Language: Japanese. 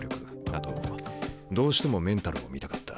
あとどうしてもメンタルを見たかった。